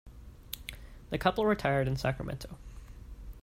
The couple retired in Sacramento.